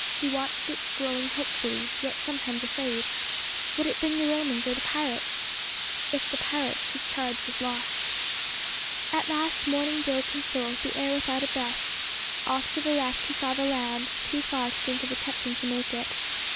He watched its growing hopefully, yet sometimes afraid. Would it bring the Romans or the pirates? If the pirates, his charge was lost. At last morning broke in full, the air without a breath. Off to the left he saw the land, too far to think of attempting to make it.